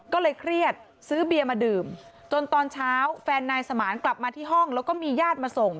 ก็เลยเครียดซื้อเบียร์มาดื่มจนตอนเช้าแฟนนายสมานกลับมาที่ห้องแล้วก็มีญาติมาส่ง